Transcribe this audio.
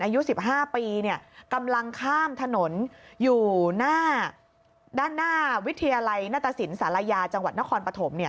อายุ๑๕ปีกำลังข้ามถนนอยู่หน้าด้านหน้าวิทยาลัยนัตตสินศาลายาจังหวัดนครปฐม